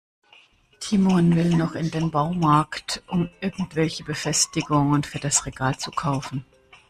Timon will noch in den Baumarkt, um irgendwelche Befestigungen für das Regal zu kaufen.